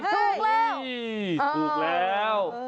ถูกแล้ว